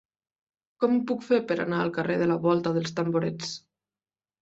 Com ho puc fer per anar al carrer de la Volta dels Tamborets?